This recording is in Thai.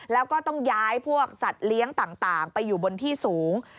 แล้วก็ต้องย้ายพวกสัตว์เลี้ยงต่างไปอยู่บนที่สูง